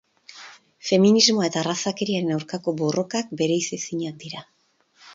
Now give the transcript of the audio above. Feminismoa eta arrazakeriaren aurkako borrokak bereiziezinak dira.